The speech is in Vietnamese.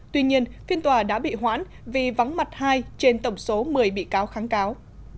tuy nhiên phiên tòa đã bị hoãn vì vắng mặt hai trên tổng số một mươi bị cáo kháng cáo